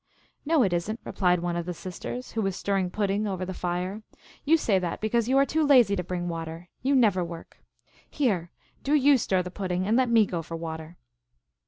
" No, it is n t," replied one of the sisters, who was stirring pudding over the fire. " You say that be cause you are too lazy to bring water ; you never work. Here, do you stir the pudding, and let mo go for water."